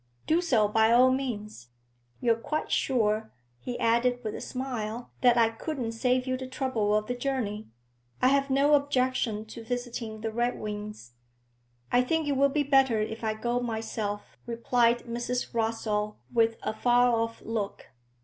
'Do so by all means. You're quite sure,' he added with a smile, 'that I couldn't save you the trouble of the journey? I have no objection to visiting the Redwings.' 'I think it will be better if I go myself,' replied Mrs. Rossall, with a far off look.